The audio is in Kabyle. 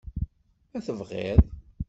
Ma tebɣiḍ.